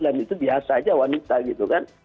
dan itu biasa aja wanita gitu kan